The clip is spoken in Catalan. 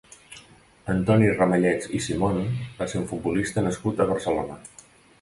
Antoni Ramallets i Simón va ser un futbolista nascut a Barcelona.